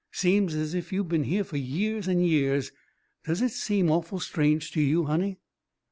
Seems as if you'd been here for years and years. Does it seem awful strange to you, honey?"